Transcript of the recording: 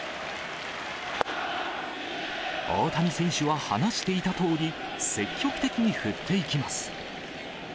大谷選手は話していたとおり、積極的に振っていきます。